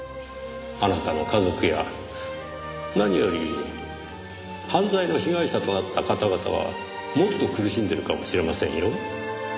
あなたの家族や何より犯罪の被害者となった方々はもっと苦しんでいるかもしれませんよ？